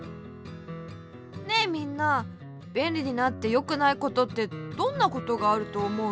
ねえみんなべんりになってよくないことってどんなことがあるとおもう？